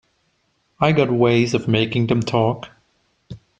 I got ways of making them talk.